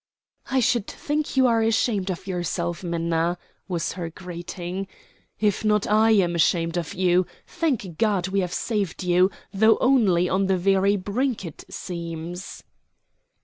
"I should think you are ashamed of yourself, Minna," was her greeting. "If not, I am ashamed of you. Thank God, we have saved you, though only on the very brink, it seems."